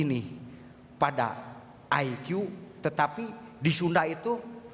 ini pada iq tetapi di sunda itu